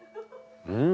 うん！